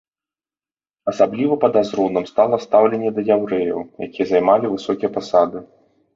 Асабліва падазроным стала стаўленне да яўрэяў, якія займалі высокія пасады.